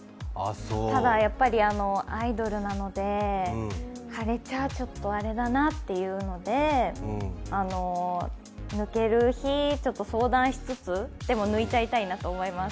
ただ、アイドルなので、腫れちゃちょっとあれだなというので抜ける日、相談しつつ、でも、抜いちゃいたいなと思います。